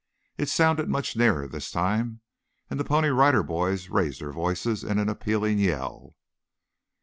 It sounded much nearer this time, and the Pony Rider Boys raised their voices in an appealing yell.